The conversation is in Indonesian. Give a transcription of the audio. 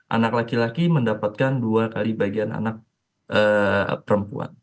anak laki laki mendapatkan dua kali bagian anak perempuan